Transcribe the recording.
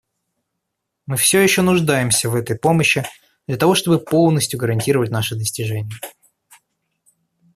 Мы все еще нуждаемся в этой помощи, для того чтобы полностью гарантировать наши достижения.